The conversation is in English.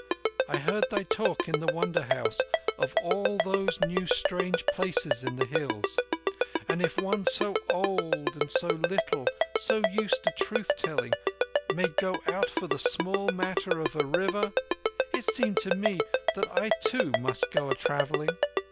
I heard thy talk in the Wonder House of all those new strange places in the Hills, and if one so old and so little—so used to truth telling—may go out for the small matter of a river, it seemed to me that I too must go a travelling.